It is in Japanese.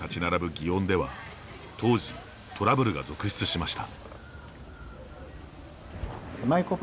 祇園では当時、トラブルが続出しました。